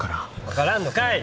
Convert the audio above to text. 分からんのかい！